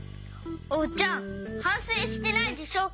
おうちゃんはんせいしてないでしょ。